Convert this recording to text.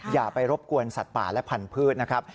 อย่าไปรบกวนสัตว์ป่าและพันธุ์นะครับ